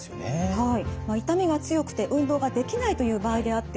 はい。